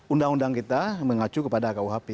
undang undang kita mengacu kepada kuhp